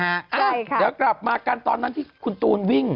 ใช่ค่ะเดี๋ยวกลับมากันตอนนั้นที่คุณตูนวิ่ง